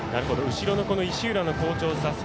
後ろの石浦の好調さ。